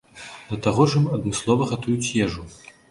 Да таго ж ім адмыслова гатуюць ежу.